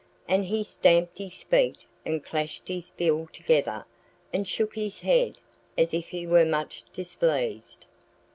And he stamped his feet and clashed his bill together and shook his head as if he were much displeased.